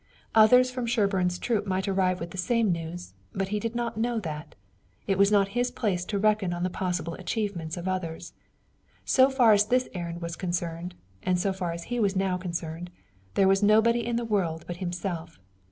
Others from Sherburne's troop might arrive with the same news, but he did not know it. It was not his place to reckon on the possible achievements of others. So far as this errand was concerned, and so far as he was now concerned, there was nobody in the world but himself.